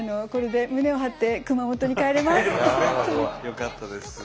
よかったです。